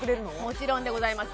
もちろんでございます